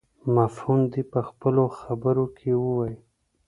مفهوم دې په خپلو خبرو کې ووایي.